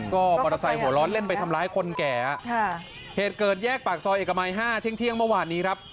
ก็มอเตอร์ไซค์หัวร้อนเล่นไปทำร้ายคนแก่เหตุเกิดแยกปากซอยเอกมัย๕เที่ยงเมื่อวานนี้ครับ